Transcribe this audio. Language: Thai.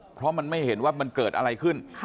เพราะมันไม่เห็นว่ามันเกิดอะไรขึ้น